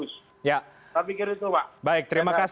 saya pikir begitu pak